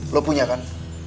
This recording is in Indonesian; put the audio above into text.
lo punya kan